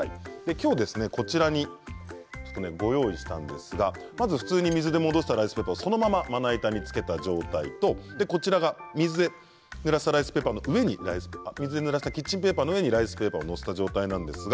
今日、ご用意したんですが普通に水で戻したライスペーパーをそのまま、まな板につけた状態と水でぬらしたキッチンペーパーの上にライスペーパーを載せた状態です。